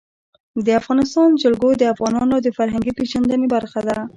د افغانستان جلکو د افغانانو د فرهنګي پیژندنې برخه ده.